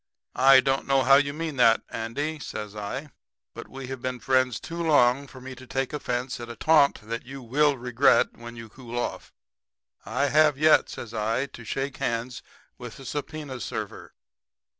"'I don't know how you mean that, Andy,' says I, 'but we have been friends too long for me to take offense at a taunt that you will regret when you cool off. I have yet,' says I, 'to shake hands with a subpoena server.'